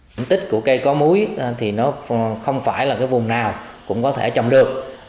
diện tích của cây có múi thì nó không phải là cái vùng nào cũng có thể trồng được